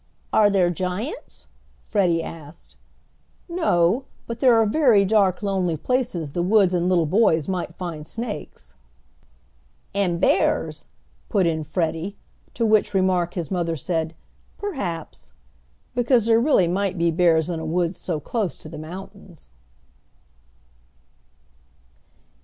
"Are there giants?" Freddie asked. "No, but there are very dark lonely places the woods and little boys might find snakes." "And bears!" put in Freddie, to which remark his mother said, "perhaps," because there really might be bears in a woods so close to the mountains.